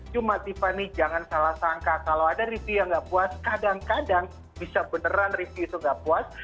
cuma tiffany jangan salah sangka kalau ada review yang nggak puas kadang kadang bisa beneran review itu nggak puas